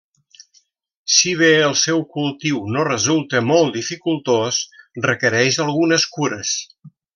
Si bé el seu cultiu no resulta molt dificultós, requereix algunes cures.